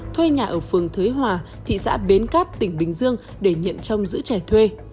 thuê nhà ở phường thuế hòa thị xã bến cát tỉnh bình dương để nhận chồng giữ trẻ thuê